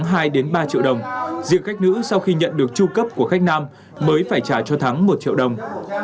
trong năm hai đến ba triệu đồng dự khách nữ sau khi nhận được tru cấp của khách nam mới phải trả cho thắng một triệu đồng